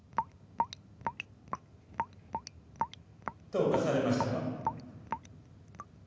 どうかされましたか？